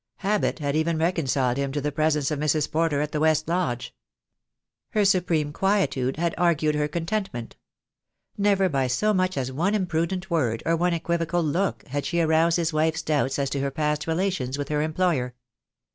Habit had even reconciled him to the presence of Mrs. Porter at the West Lodge. Her supreme quietude had argued her contentment. Never by so much as one im prudent word, or one equivocal look, had she aroused his wife's doubts as to her past relations with her employer.